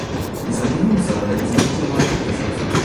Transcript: Die Sanierungsarbeiten sind mittlerweile abgeschlossen.